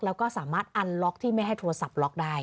แล้วก็สามารถอันล็อกที่ไม่ให้โทรศัพท์ล็อกได้